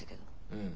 うん。